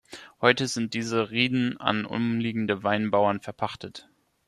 Heute sind diese Rieden an umliegende Weinbauern verpachtet.